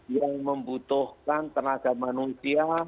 yang membutuhkan tenaga manusia